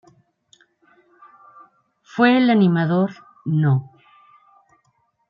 Fue el animador No.